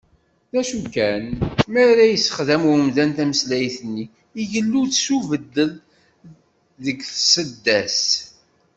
D acu kan, mi ara yesexdam umdan tameslayt-nni, igellu-d s ubeddel deg tseddast.